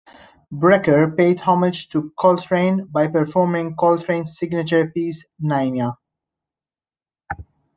Brecker paid homage to Coltrane by performing Coltrane's signature piece, "Naima".